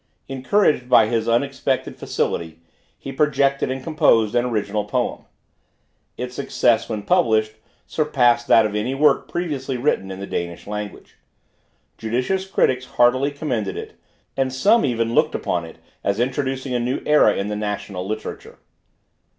Encouraged by his unexpected facility, he projected and composed an original poem. Its success, when published, surpassed that of any work previously written in the Danish language. Judicious critics heartily commended it, and some even looked upon it as introducing a new era in the national literature.